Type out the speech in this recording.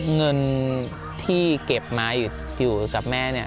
เงินที่เก็บมาอยู่กับแม่